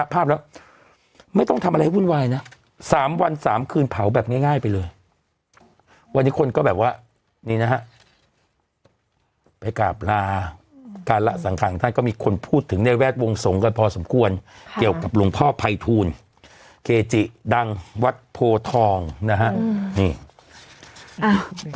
ไปกลับลาการละสังขังท่านก็มีคนพูดถึงเนี่ยแวดวงสงกันพอสมควรเกี่ยวกับหลวงพ่อภัยทูลเกจิดังวัดโพทองนะฮะ